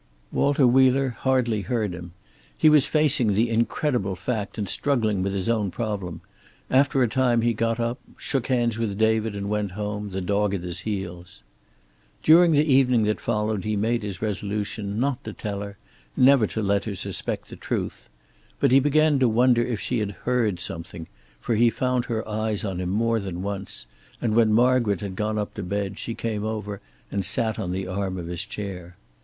Walter Wheeler hardly heard him. He was facing the incredible fact, and struggling with his own problem. After a time he got up, shook hands with David and went home, the dog at his heels. During the evening that followed he made his resolution, not to tell her, never to let her suspect the truth. But he began to wonder if she had heard something, for he found her eyes on him more than once, and when Margaret had gone up to bed she came over and sat on the arm of his chair.